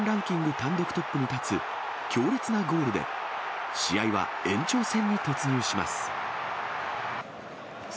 単独トップに立つ強烈なゴールで、試合は延長戦に突入します。